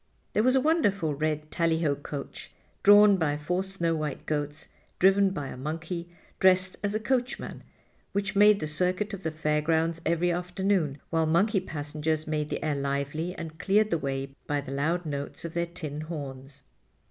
There was a wonderful red tally ho coach, drawn by four snow white goats driven by a monkey dressed as a coachman, which made the circuit of the Fair grounds every afternoon, while monkey passengers made the air lively and cleared the way by the loud notes of their tin horns.